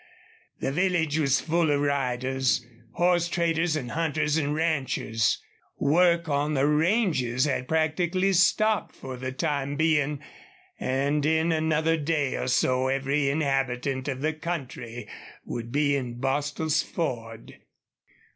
The village was full of riders, horse traders and hunters, and ranchers. Work on the ranges had practically stopped for the time being, and in another day or so every inhabitant of the country would be in Bostil's Ford.